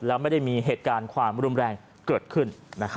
แล้วไม่ได้มีเหตุการณ์ความรุนแรงเกิดขึ้น